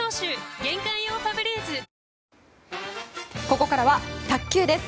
ここからは卓球です。